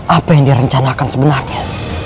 apa yang direncanakan sebenarnya